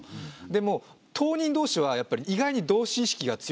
でも当人同士はやっぱり意外に同志意識が強くて。